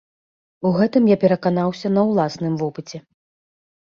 У гэтым я пераканаўся на ўласным вопыце.